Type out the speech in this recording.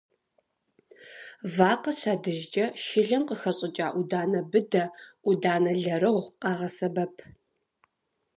Вакъэ щадыжкӏэ шылэм къыхэщӏыкӏа ӏуданэ быдэ, ӏуданэ лэрыгъу къагъэсэбэп.